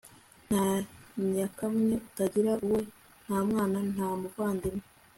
nka nyakamwe, utagira uwe, nta mwana, nta muvandimwe